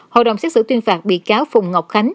hội đồng xét xử tuyên phạt bị cáo phùng ngọc khánh